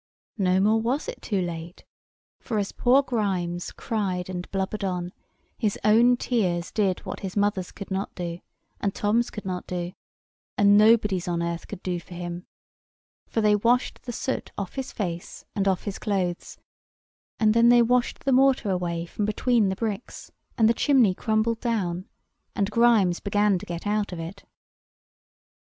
No more was it too late. For, as poor Grimes cried and blubbered on, his own tears did what his mother's could not do, and Tom's could not do, and nobody's on earth could do for him; for they washed the soot off his face and off his clothes; and then they washed the mortar away from between the bricks; and the chimney crumbled down; and Grimes began to get out of it.